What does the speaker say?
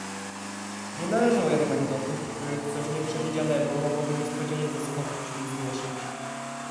"Nie należał jednak do tych, których coś nieprzewidzianego mogłoby niespodzianie zaskoczyć, lub zmieszać."